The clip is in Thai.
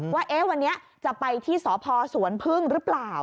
ว่าวันนี้จะไปที่สพสวนพึ่งหรือเปล่า